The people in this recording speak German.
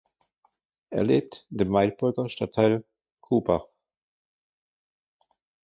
Er lebt in dem Weilburger Stadtteil Kubach.